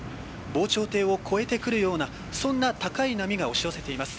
防潮堤を越えてくるようなそんな高い波が押し寄せています。